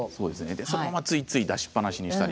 そのまま、ついつい出しっぱなしにしたり。